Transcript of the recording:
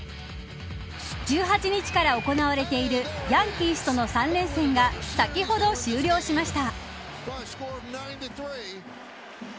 １８日から行われているヤンキースとの３連戦が先ほど終了しました。